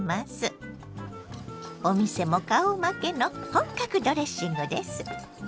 お店も顔負けの本格ドレッシングです。